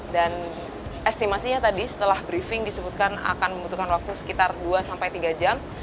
dan estimasinya tadi setelah briefing disebutkan akan membutuhkan waktu sekitar dua sampai tiga jam